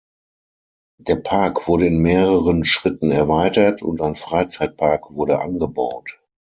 Der Park wurde in mehreren Schritten erweitert und ein Freizeitpark wurde angebaut.